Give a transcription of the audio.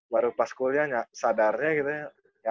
baru pas kuliah sadarnya gitu ya